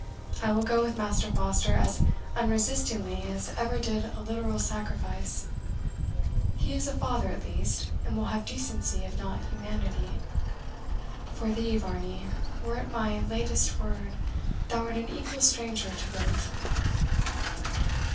I will go with Master Foster as unresistingly as ever did a literal sacrifice. He is a father at least; and will have decency, if not humanity. For thee, Varney, were it my latest word, thou art an equal stranger to both."